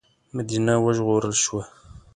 مدینه وژغورل شوه.